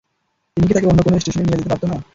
তিনি কী তাকে অন্য কোনও স্টেশনে নিয়ে যেতে পারত না?